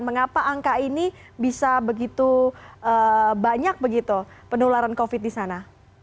mengapa angka ini bisa begitu banyak begitu penularan covid di sana